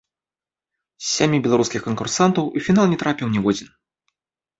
З сямі беларускіх канкурсантаў у фінал не трапіў ніводзін.